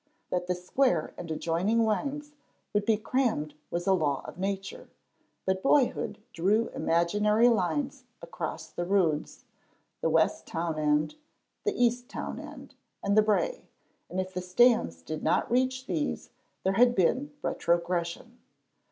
That the square and adjoining wynds would be crammed was a law of nature, but boyhood drew imaginary lines across the Roods, the west town end, the east town end, and the brae, and if the stands did not reach these there had been retrogression.